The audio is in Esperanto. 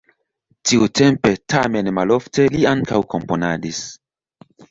Tiutempe, tamen malofte li ankaŭ komponadis.